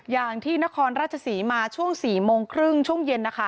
อย่างที่นครราชศรีมาช่วง๔โมงครึ่งช่วงเย็นนะคะ